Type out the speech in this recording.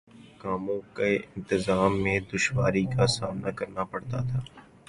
کاموں کے انتظام میں دشواری کا سامنا کرنا پڑتا تھا